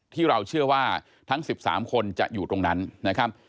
ที่เราเชื่อว่าทั้ง๑๓คนจะอยู่ตรงนั้นนะครับ